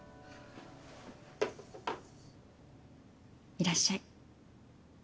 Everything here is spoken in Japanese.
いらっしゃい。